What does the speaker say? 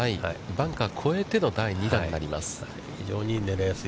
バンカー越えての第２打になります。